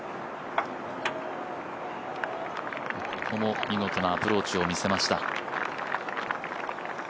ここも見事なアプローチを見せました。